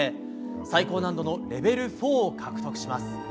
最高難度のレベル４を獲得します。